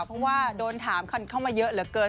เพราะว่าโดนถามเขาเยอะเกิน